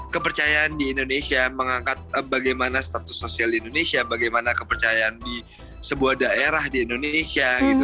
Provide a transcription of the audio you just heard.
kepercayaan di indonesia mengangkat bagaimana status sosial di indonesia bagaimana kepercayaan di sebuah daerah di indonesia gitu